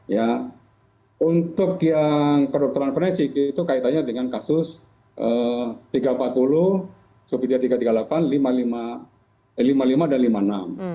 ya untuk yang kedokteran forensik itu kaitannya dengan kasus tiga ratus empat puluh sofia tiga ratus tiga puluh delapan lima puluh lima dan lima puluh enam